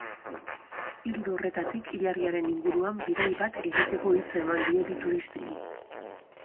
Ildo horretatik, ilargiaren inguruan bidai bat egiteko hitza eman die bi turistei.